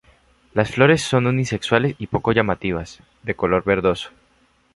Las flores son unisexuales y poco llamativas, de color verdoso.